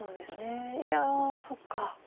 いやそっか。